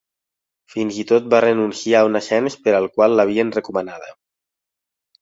Fins i tot va renunciar a un ascens per al qual l'havien recomanada.